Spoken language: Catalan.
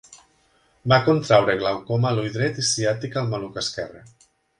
Va contreure glaucoma a l'ull dret i ciàtica al maluc esquerre.